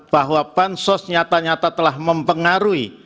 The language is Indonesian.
bahwa bansos nyata nyata telah mempengaruhi